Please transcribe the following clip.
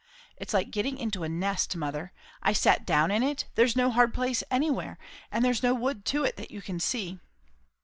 "It's like getting into a nest, mother; I sat down in it; there's no hard place anywhere; there's no wood to it, that you can see."